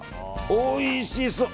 おいしそう。